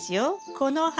この花